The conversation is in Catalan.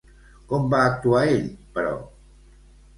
Com va actuar ell, però?